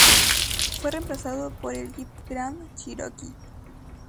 Fue reemplazado por el Jeep Grand Cherokee.